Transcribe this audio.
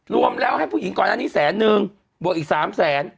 รวมแล้วให้ผู้หญิงก่อนอันนี้แสนนึงบวกอีก๓แสน